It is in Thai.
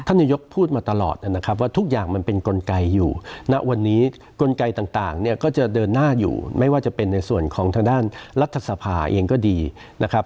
นายกพูดมาตลอดนะครับว่าทุกอย่างมันเป็นกลไกอยู่ณวันนี้กลไกต่างเนี่ยก็จะเดินหน้าอยู่ไม่ว่าจะเป็นในส่วนของทางด้านรัฐสภาเองก็ดีนะครับ